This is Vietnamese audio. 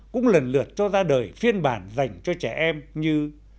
cũng lần lượt cho ra đời phiên bản dành cho trẻ em như